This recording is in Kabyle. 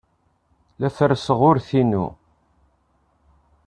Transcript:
La ferrseɣ urti-inu.